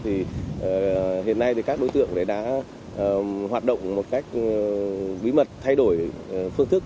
thì hiện nay thì các đối tượng đã hoạt động một cách bí mật thay đổi phương thức